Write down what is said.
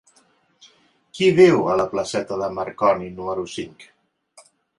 Qui viu a la placeta de Marconi número cinc?